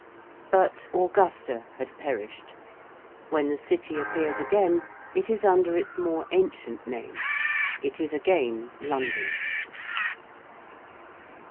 But Augusta had perished. When the City appears again it is under its more ancient name it is again London.